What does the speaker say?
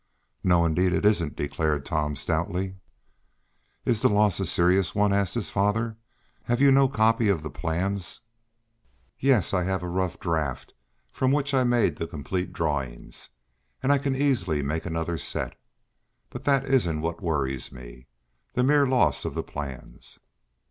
"No, indeed, it isn't!" declared Tom stoutly. "Is the loss a serious one?" asked his father. "Have you no copy of the plans?" "Yes, I have a rough draft from which I made the completed drawings, and I can easily make another set. But that isn't what worries me the mere loss of the plans."